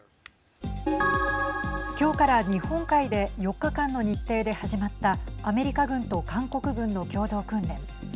今日から日本海で４日間の日程で始まったアメリカ軍と韓国軍の共同訓練。